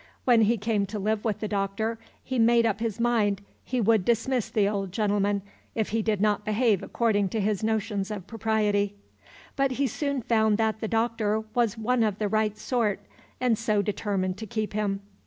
When he came to live with the Doctor, he made up his mind he would dismiss the old gentleman, if he did not behave according to his notions of propriety. But he soon found that the Doctor was one of the right sort, and so determined to keep him.